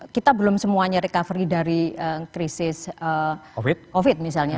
kita belum semuanya recovery dari krisis covid misalnya